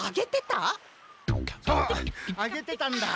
そうあげてたんだ。